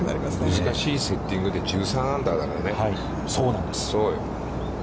難しいセッティングで、１３アンダーだからね。